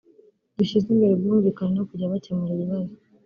dushyize imbere ubwumvikane no kujya bakemura ibibazo